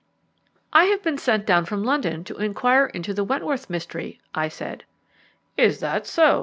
"I have been sent down from London to inquire into the Wentworth mystery," I said. "Is that so?"